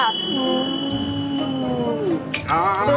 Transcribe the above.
อะเอา